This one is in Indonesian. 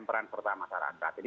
peran pertama masyarakat ini